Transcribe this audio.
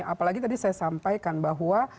apalagi tadi saya sampaikan bahwa